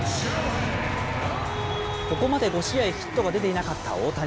ここまで５試合ヒットが出ていなかった大谷。